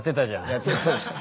やってましたね。